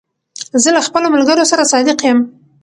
زه له خپلو ملګرو سره صادق یم.